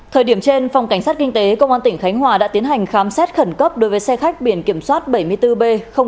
thời điểm trên phòng cảnh sát kinh tế công an tỉnh khánh hòa đã tiến hành khám xét khẩn cấp đối với xe khách biển kiểm soát bảy mươi bốn b bốn trăm hai mươi sáu